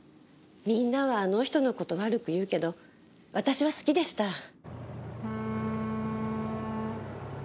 みんなはあの人の事悪く言うけど私は好きでした。